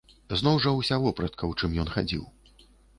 Зноў жа ўся вопратка, у чым ён хадзіў.